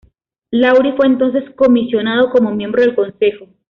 Lawrie fue entonces comisionado como miembro del Consejo.